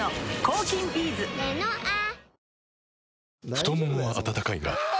太ももは温かいがあ！